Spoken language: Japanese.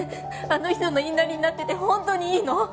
あの人の言いなりになっててホントにいいの？